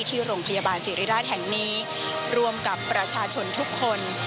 ที่โรงพยาบาลศิริราชแห่งนี้ร่วมกับประชาชนทุกคน